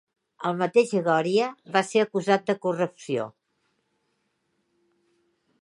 El mateix Goria va ser acusat de corrupció.